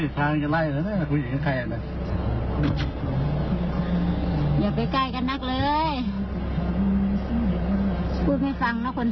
สะดุดมาก